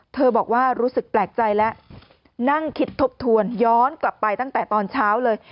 บอกว่ารู้สึกแปลกใจแล้วนั่งคิดทบทวนย้อนกลับไปตั้งแต่ตอนเช้าเลย